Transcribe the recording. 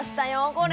これ。